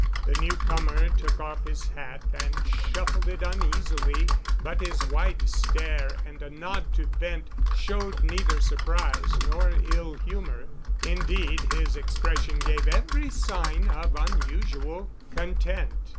The newcomer took off his hat and shuffled in uneasily, but his wide stare and a nod to Bent showed neither surprise nor ill humor. Indeed, his expression gave every sign of unusual content.